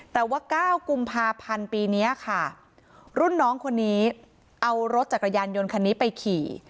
แต่ว่า๙กุมภาพันธ์ปีนี้ค่ะรุ่นน้องคนนี้เอารถจักรยานยนต์คันนี้ไปขี่